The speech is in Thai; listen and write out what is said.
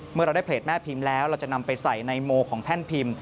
เมื่อเราได้เพจแม่พิมพ์แล้วเราจะนำไปใส่ในโมของแท่นพิมพ์